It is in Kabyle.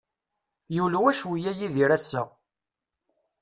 Yulwa cwiya Yidir ass-a.